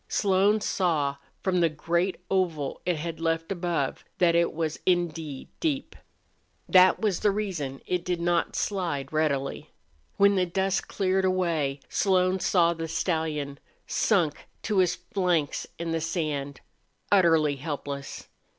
Slone saw, from the great oval hole it had left above, that it was indeed deep. That was the reason it did not slide readily. When the dust cleared away Slone saw the stallion, sunk to his flanks in the sand, utterly helpless.